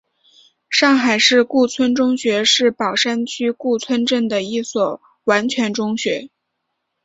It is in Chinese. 上海市顾村中学是宝山区顾村镇的一所完全中学。